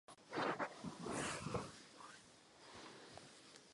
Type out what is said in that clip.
Rozlišuje se několik druhů prachových per.